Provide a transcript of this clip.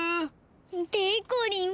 でこりん！